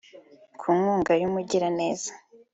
Ku nkunga y’umugiraneza